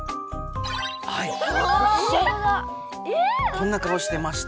こんな顔してました。